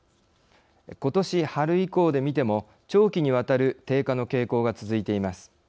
ことし春以降で見ても長期にわたる低下の傾向が続いています。